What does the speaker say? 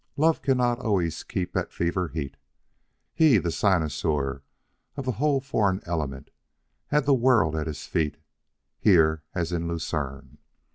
Love cannot always keep at fever heat. He, the cynosure of the whole foreign element, had the world at his feet here as in Lucerne.